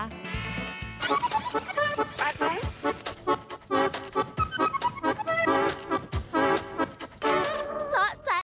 สวัสดีสวัสดี